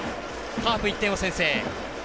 カープ、１点を先制。